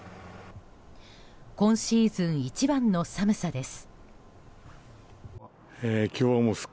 今シーズン一番の寒さです。